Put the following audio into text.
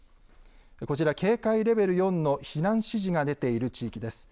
こちら、警戒レベル４の避難指示が出ている地域です。